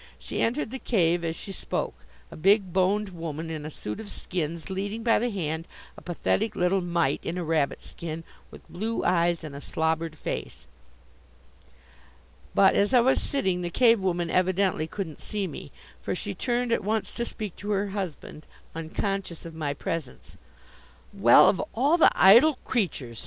She entered the cave as she spoke a big boned woman in a suit of skins leading by the hand a pathetic little mite in a rabbit skin, with blue eyes and a slobbered face. But as I was sitting the Cave woman evidently couldn't see me; for she turned at once to speak to her husband, unconscious of my presence. "Well, of all the idle creatures!"